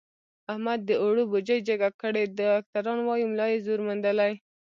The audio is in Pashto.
احمد د اوړو بوجۍ جګه کړې، ډاکټران وایي ملا یې زور موندلی.